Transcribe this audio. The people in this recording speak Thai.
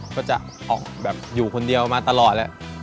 ก็จะออกแบบอยู่คนเดียวมาตลอดแหละ